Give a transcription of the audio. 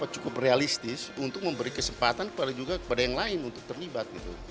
cukup realistis untuk memberi kesempatan juga kepada yang lain untuk terlibat